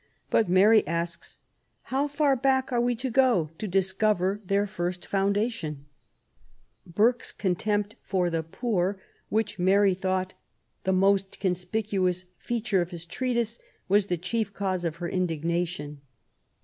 Sut Mary asks^ How far ba6k are we to go to discover their first foundation ? Burke's contempt for the poor, which Mary thought the most conspicuous feature of his treatise, was the chief cause of her indignation.